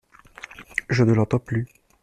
Je ne l’entends plus.